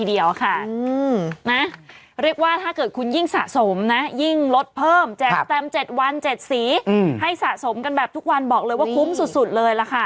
เรียกว่าถ้าเกิดคุณยิ่งสะสมนะยิ่งลดเพิ่มแจกแซม๗วัน๗สีให้สะสมกันแบบทุกวันบอกเลยว่าคุ้มสุดเลยล่ะค่ะ